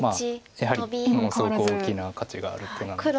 やはり今も相当大きな価値がある手なので。